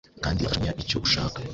kandi birafasha kumenya icyo ushaka